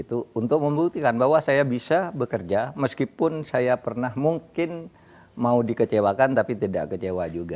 untuk membuktikan bahwa saya bisa bekerja meskipun saya pernah mungkin mau dikecewakan tapi tidak kecewa juga